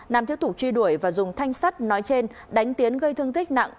nam thiếu thủ truy đuổi và dùng thanh sắt nói trên đánh tiến gây thương tích nặng